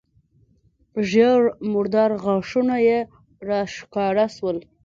ژېړ مردار غاښونه يې راښکاره سول.